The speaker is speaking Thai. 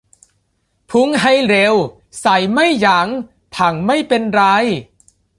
พุ่งให้เร็ว ใส่ไม่ยั้ง พังไม่เป็นไร